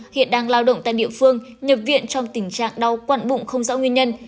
hiện đang lao động tại địa phương nhập viện trong tình trạng đau quặn bụng không rõ nguyên nhân